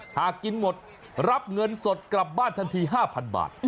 หากกินหมดรับเงินสดกลับบ้านทันที๕๐๐๐บาท